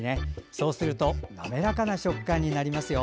そうすると滑らかな食感になりますよ。